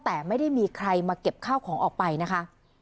แต่ไม่ได้มีใครมาเก็บข้าวของออกไปนะคะ